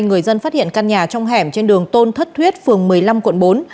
người dân phát hiện căn nhà trong hẻm trên đường tôn thất thuyết phường một mươi năm quận bốn